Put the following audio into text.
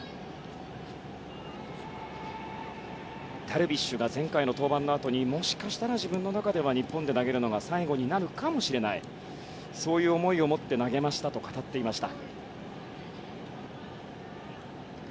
ダルビッシュが前回の登板のあとにもしかしたら自分の中では日本で投げるのが最後になるかもしれないそういう思いを持って投げましたと語っていました。